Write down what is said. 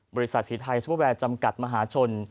บริษัทสีไทยซูเวอร์แวร์จำกัดมหาชน